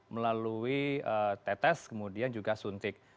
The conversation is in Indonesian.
melalui tetes kemudian juga suntik